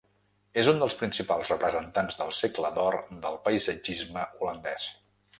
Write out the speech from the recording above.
És un dels principals representants del segle d’or del paisatgisme holandès.